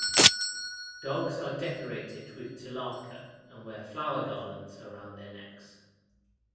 Dogs are decorated with tilaka and wear flower garlands around their necks.